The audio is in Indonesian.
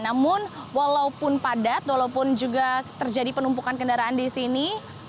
namun walaupun padat walaupun juga terjadi penumpukan kendaraan di sini